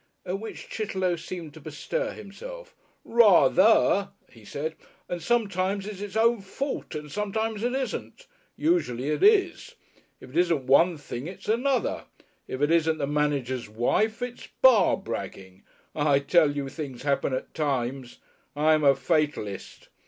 At which Chitterlow seemed to bestir himself. "Ra ther," he said. "And sometimes it's his own fault and sometimes it isn't. Usually it is. If it isn't one thing it's another. If it isn't the manager's wife it's bar bragging. I tell you things happen at times. I'm a fatalist.